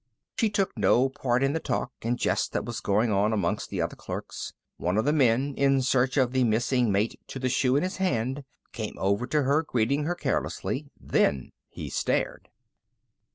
She took no part in the talk and jest that was going on among the other clerks. One of the men, in search of the missing mate to the shoe in his hand, came over to her, greeting her carelessly. Then he stared.